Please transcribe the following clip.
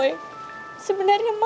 kayaknya aku udah ga ngakuat